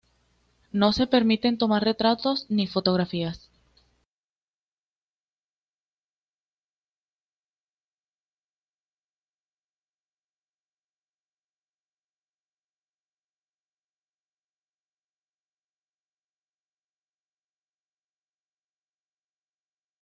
No se permiten tomar retratos ni fotografías.